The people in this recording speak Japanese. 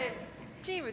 チームＴ